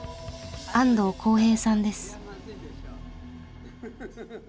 安藤紘平さんです。